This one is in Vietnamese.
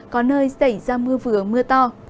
có nơi xảy ra mưa vừa mưa to